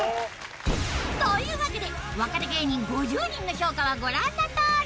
というわけで若手芸人５０人の評価はご覧のとおり